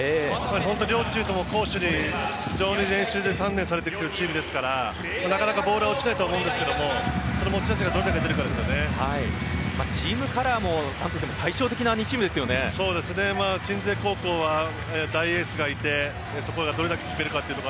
両チームとも、攻守に、非常に練習で鍛錬されているチームですからなかなかボールは落ちないと思いますが持ち味がチームカラーも鎮西高校は大エースがいてそこがどれだけ決めるか。